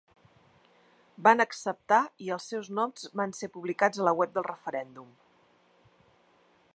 Van acceptar i els seus noms van ser publicats a la web del referèndum.